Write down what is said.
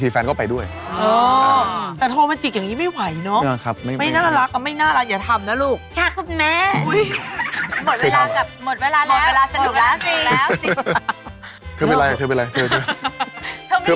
แฟนเก่าใช่ไหมไม่แฟนเก่าของเพื่อน